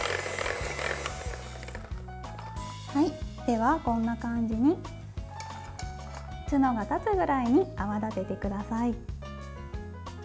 では、こんな感じにツノが立つぐらいに泡立ててください。